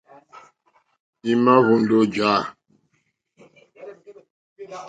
Í má ǃhwóndó ǃjá.